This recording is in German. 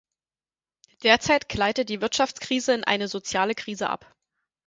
Derzeit gleitet die Wirtschaftskrise in eine soziale Krise ab.